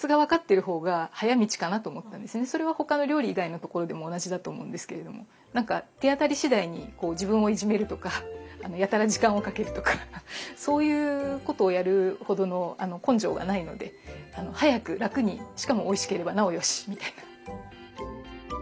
それは他の料理以外のところでも同じだと思うんですけれども手当たり次第に自分をいじめるとかやたら時間をかけるとかそういうことをやるほどの根性がないので早く楽にしかもおいしければなおよしみたいな。